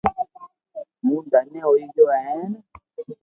ھون دھنئي ھوئي گيو ھين